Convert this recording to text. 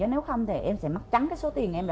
nếu không thì em sẽ mắc trắng số tiền em